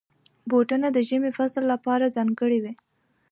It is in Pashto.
بوټونه د ژمي فصل لپاره ځانګړي وي.